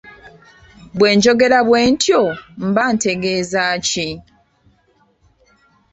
Bwe njogera bwe ntyo mba ntegeeza ki?